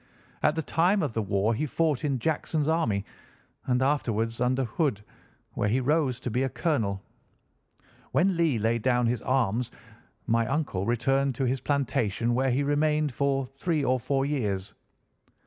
At the time of the war he fought in Jackson's army, and afterwards under Hood, where he rose to be a colonel. When Lee laid down his arms my uncle returned to his plantation, where he remained for three or four years.